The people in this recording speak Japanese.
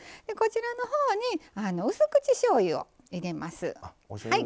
こちらのほうにうす口しょうゆを入れます。